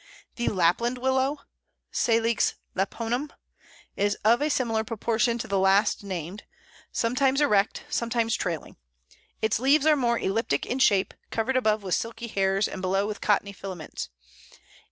The Lapland Willow (Salix lapponum) is of a similar proportion to the last named, sometimes erect, sometimes trailing. Its leaves are more elliptic in shape, covered above with silky hairs and below with cottony filaments.